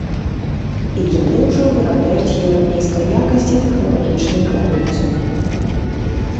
І яны ўжо вырабляюць еўрапейскай якасці тэхналагічную прадукцыю.